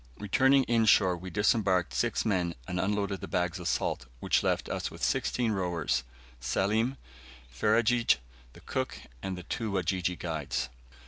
Returning in shore, we disembarked six men, and unloaded the bags of salt, which left us with sixteen rowers, Selim, Ferajji the cook, and the two Wajiji guides.